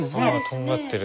とんがってる。